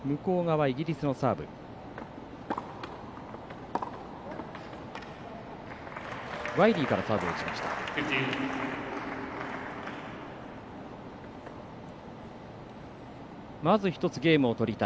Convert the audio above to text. ワイリーからサーブを打ちました。